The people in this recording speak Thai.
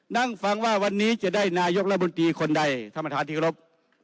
นั่งฟังว่าวันนี้จะได้นายกรัฐมนตรีคนใดท่านประธานที่กรบ